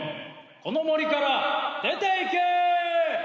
この森から出ていけ！